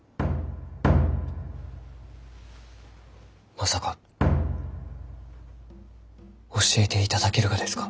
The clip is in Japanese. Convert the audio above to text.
まさか教えていただけるがですか？